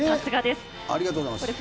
ありがとうございます。